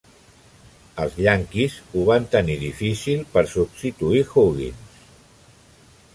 Els Yankees ho van tenir difícil per substituir Huggins.